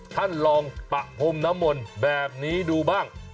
ท่านลองปะพรมน้ำมนต์แบบนี้ดูบ้าง